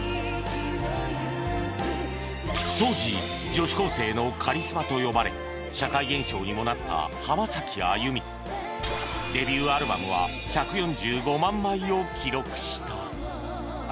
当時女子高生のカリスマと呼ばれ社会現象にもなった浜崎あゆみデビューアルバムは１４５万枚を記録した